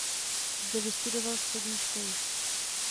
Zde vystudoval střední školu.